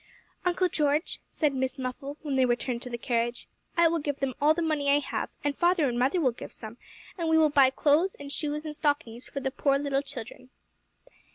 'Uncle George,' said Miss Muffle, when they returned to the carriage, 'I will give them all the money I have, and father and mother will give some, and we will buy clothes and shoes and stockings for the poor little children.